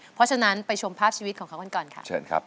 เพราะฉะนั้นไปชมภาพชีวิตของเขากันก่อนค่ะเชิญครับ